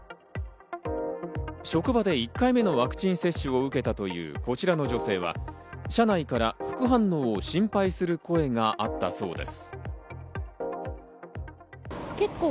職場で１回目のワクチン接種を受けたというこちらの女性は社内から副反応を心配する声があったそうです。